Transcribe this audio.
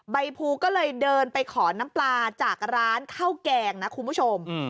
ใบภูก็เลยเดินไปขอน้ำปลาจากร้านข้าวแกงนะคุณผู้ชม